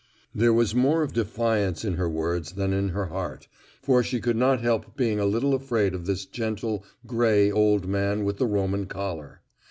There was more of defiance in her words than in her heart, for she could not help being a little afraid of this gentle, gray old man with the Roman collar.